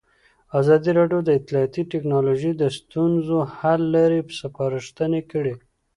ازادي راډیو د اطلاعاتی تکنالوژي د ستونزو حل لارې سپارښتنې کړي.